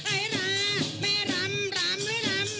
ไอลาแม่ลำลำลำ